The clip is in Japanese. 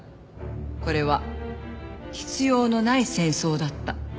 これは必要のない戦争だった。